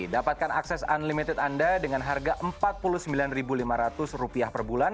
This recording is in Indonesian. dapatkan akses unlimited anda dengan harga rp empat puluh sembilan lima ratus per bulan